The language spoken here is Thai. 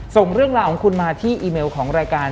ส่งเรื่องราวของคุณมาที่อีเมลของรายการ